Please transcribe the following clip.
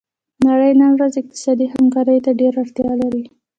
نړۍ نن ورځ اقتصادي همکاریو ته ډیره اړتیا لري